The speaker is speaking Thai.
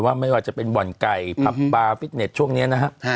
ไม่ว่าจะเป็นบ่อนไก่ผับบาร์ฟิตเน็ตช่วงนี้นะครับ